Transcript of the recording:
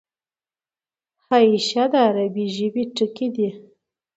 حاشیه د عربي ژبي ټکی دﺉ.